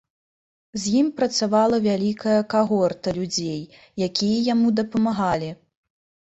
З ім працавала вялікая кагорта людзей, якія яму дапамагалі.